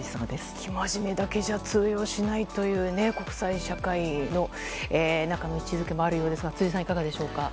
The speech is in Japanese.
生真面目だけじゃ通用しないという国際社会の中の位置づけもあるようですが辻さん、いかがでしょうか。